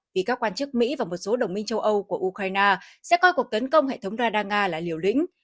vì các quan chức mỹ và một số đồng minh châu âu của ukraine sẽ coi cuộc tấn công hệ thống radar nga là liều lĩnh